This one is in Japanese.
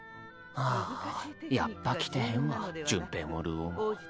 あぁあやっぱ来てへんわ潤平も流鶯も。